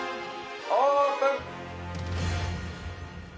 オープン！